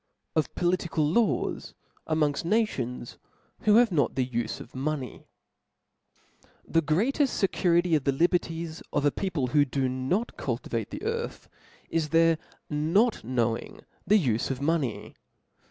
Of political Laws among fi Nations who hav^ not the Ufe of Money. S o o K nrH E greateft fecurity of the liberties of ^ Ch^"^' P^opk who do not cultivate the earth, i^ aAd i8. their not knowing the ufe of money.